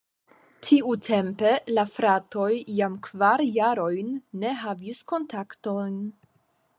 Tiutempe la fratoj jam kvar jarojn ne havis kontakton.